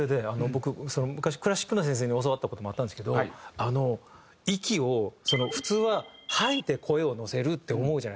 僕昔クラシックの先生に教わった事もあったんですけど息を普通は吐いて声を乗せるって思うじゃないですか。